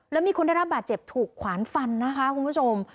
แล้วมีคนได้รับบาดเจ็บถูกขวานฟันนะคะคุณผู้ชม